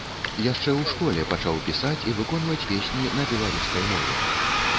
Яшчэ ў школе пачаў пісаць і выконваць песні на беларускай мове.